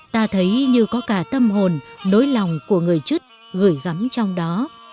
ta thấy như có cả tâm hồn nỗi lòng của người chức gửi gắm trong đó